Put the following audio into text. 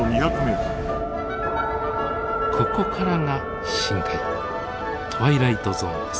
ここからが深海トワイライトゾーンです。